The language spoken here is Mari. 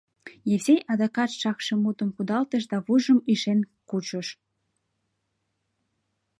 — Евсей адакат шакше мутым кудалтыш да вуйжым ишен кучыш.